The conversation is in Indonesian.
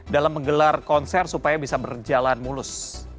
dalam menggelar konser supaya bisa berjalan mulus